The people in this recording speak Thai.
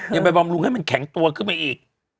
ยังไปบำรุงให้มันแข็งตัวขึ้นไปอีก